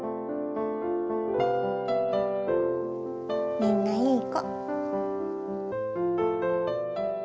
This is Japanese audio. みんないい子。